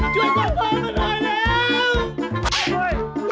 ช่วยจับมึงหน่อยเร็ว